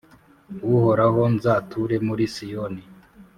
Uhoraho, nzature muri Siyoni.